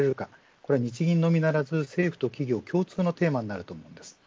これは日銀のみならず、政府と企業共通のテーマになると思います。